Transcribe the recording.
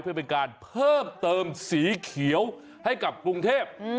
เพื่อเป็นการเพิ่มเติมสีเขียวให้กับกรุงเทพ